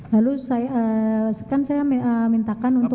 lalu kan saya mintakan untuk